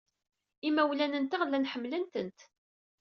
Imawlan-nteɣ llan ḥemmlen-tent.